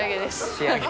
仕上げ。